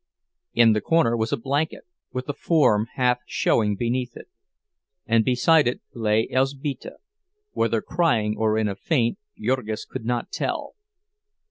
In the corner was a blanket, with a form half showing beneath it; and beside it lay Elzbieta, whether crying or in a faint, Jurgis could not tell.